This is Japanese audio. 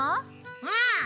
うん！